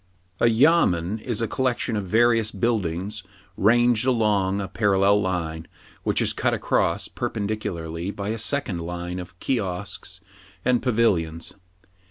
A YAMEN is a collection of various buildings ranged along a parallel line, which is cut across perpendicularly by a second line of kiosks and pavilions.